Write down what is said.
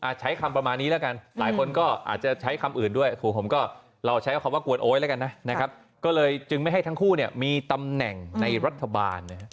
ใช้คำประมาณนี้แล้วกันหลายคนก็อาจจะใช้คำอื่นด้วยผมก็เราใช้คำว่ากวนโอ๊ยแล้วกันนะครับก็เลยจึงไม่ให้ทั้งคู่เนี่ยมีตำแหน่งในรัฐบาลนะครับ